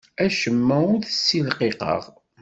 Acemma ur t-ssilqiqeɣ.